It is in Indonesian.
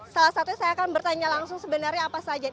salah satunya saya akan bertanya langsung sebenarnya apa saja